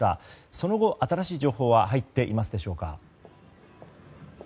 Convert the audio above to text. その後、新しい情報は入っていますでしょうか。